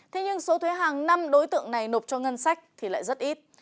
thế nhưng số thuế hàng năm đối tượng này nộp cho ngân sách thì lại rất ít